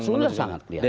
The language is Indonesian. sudah sangat kelihatan